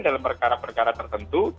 dalam perkara perkara tertentu